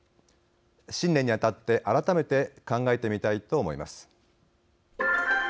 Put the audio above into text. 新年にあたって改めて考えてみたいと思います。